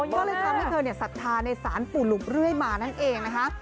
ก็เลยทำให้เธอศรัทธาในศาลปู่หลุบเรื่อยมานั่นเองนะคะ